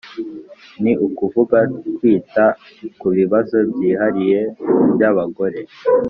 Ni ukuvuga kwita ku bibazo byihariye by abagore